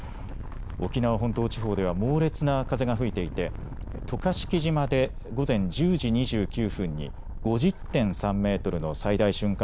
沖縄本島地方では猛烈な風が吹いていて渡嘉敷島で午前１０時２９分に５０．３メートルの最大瞬間